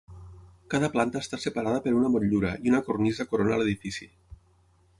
Cada planta està separada per una motllura i una cornisa corona l'edifici.